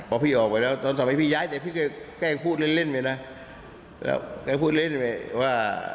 พอพี่ออกไปแล้วตอนสักเมื่อพี่ย้ายแต่พี่ก็ยังพูดเล่นเลยนะ